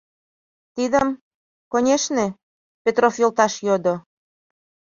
Тидым, конешне, Петров йолташ йодо.